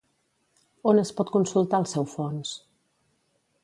On es pot consultar el seu fons?